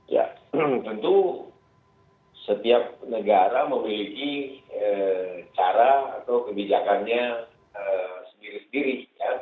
ya tentu setiap negara memiliki cara atau kebijakannya sendiri sendiri